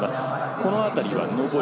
この辺りは上り。